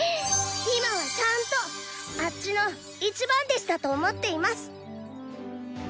今はちゃんとあッチの一番弟子だと思っています。